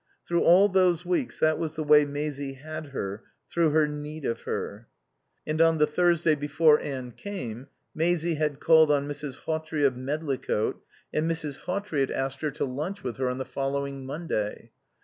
Through all those weeks that was the way Maisie had her, through her need of her. And on the Thursday before Anne came Maisie had called on Mrs. Hawtrey of Medlicote, and Mrs. Hawtrey had asked her to lunch with her on the following Monday.